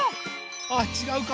あちがうか。